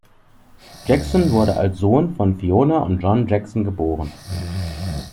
Jackson wurde als Sohn von Fiona und John Jackson geboren.